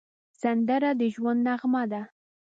سندره د ژوند نغمه ده